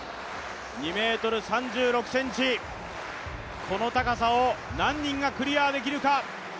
２ｍ３６ｃｍ、この高さを何人がクリアできるか。